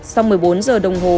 sau một mươi bốn h đồng hồ